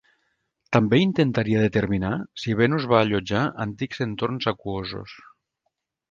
També intentaria determinar si Venus va allotjar antics entorns aquosos.